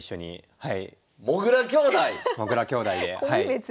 はい。